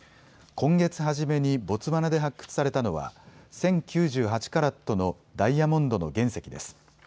今月初めにボツワナで発掘されたのは１０９８カラットのダイヤモンドの原石です。